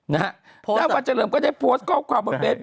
นี่นะฮะ